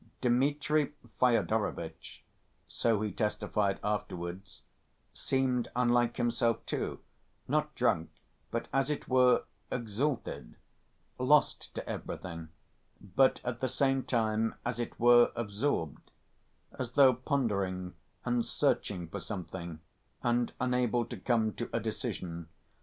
"Dmitri Fyodorovitch," so he testified afterwards, "seemed unlike himself, too; not drunk, but, as it were, exalted, lost to everything, but at the same time, as it were, absorbed, as though pondering and searching for something and unable to come to a decision.